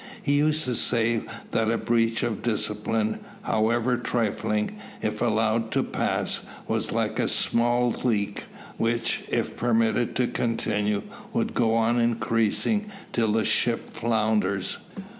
He used to say that a breach of discipline, however trifling, if allowed to pass, was like a small leak, which, if permitted to continue, will go on increasing till the ship founders.